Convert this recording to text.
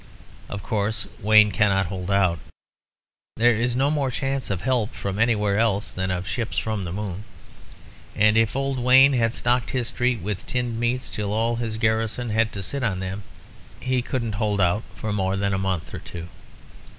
Of course Wayne cannot hold out. There is no more chance of help from anywhere else than of ships from the moon. And if old Wayne had stocked his street with tinned meats till all his garrison had to sit on them, he couldn't hold out for more than a month or two.